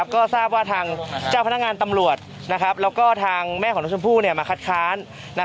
ก็ทราบว่าทางเจ้าพนักงานตำรวจแล้วก็ทางแม่ของน้องชมพู่มาคัดค้าน